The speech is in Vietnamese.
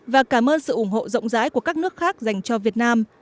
và cảm ơn sự ủng hộ rộng rãi của các nước khác dành cho việt nam